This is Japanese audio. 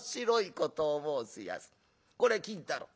これ金太郎。